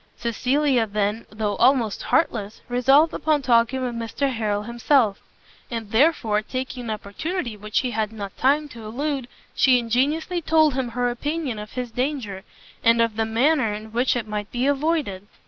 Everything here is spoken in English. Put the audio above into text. Cecilia then, though almost heartless, resolved upon talking with Mr Harrel himself: and therefore, taking an opportunity which he had not time to elude, she ingenuously told him her opinion of his danger, and of the manner in which it might be avoided.